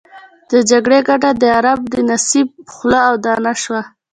د جګړې ګټه د غرب د نصیب خوله او دانه شوه.